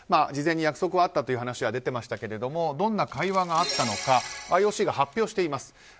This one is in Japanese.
事前に約束はあったという話は出ていましたがどんな会話があったのかＩＯＣが発表しています。